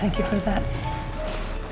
saya terima kasih buat itu